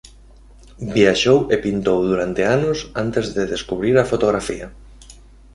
Viaxou e pintou durante anos antes de descubrir a fotografía.